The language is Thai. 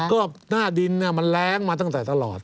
ก็หน้าดินมันแรงมาตั้งแต่ตลอด